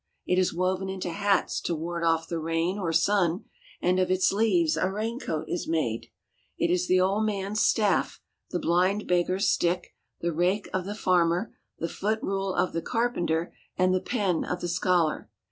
It is woven into hats to ward off the rain or sun, and of its leaves a raincoat is made. It is the old man's staff, the blind beggar's stick, the rake of the farmer, the foot rule of the carpenter, and the pen of the scholar.